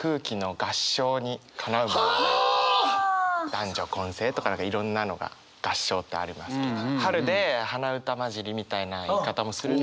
男女混声とかいろんなのが合唱ってありますけど春で鼻歌交じりみたいな言い方もするので。